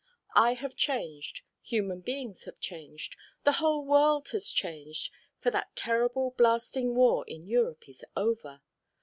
I have changed, human beings have changed, the whole world has changed, for that terrible blasting war in Europe is over.